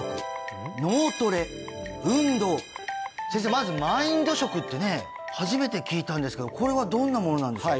まずマインド食ってね初めて聞いたんですけどこれはどんなものなんでしょうか？